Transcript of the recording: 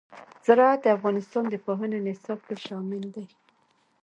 زراعت د افغانستان د پوهنې نصاب کې شامل دي.